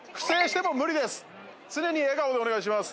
常に笑顔でお願いします。